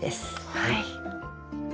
はい。